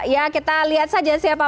ya kita lihat saja sih apa